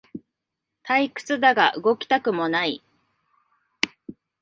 退屈だが動きたくもない